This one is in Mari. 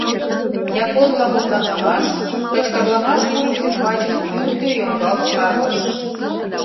Японла мутланымаш, кычкырлымаш курык ӱмбачын ӱлкӧ йоҥгалт шарлыш.